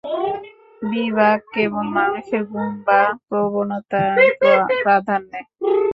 বিভাগ কেবল মানুষের গুণ বা প্রবণতার প্রাধান্যে।